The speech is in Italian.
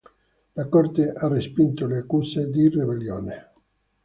La corte ha respinto le accuse di ribellione.